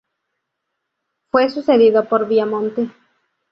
Fue sucedido por Viamonte.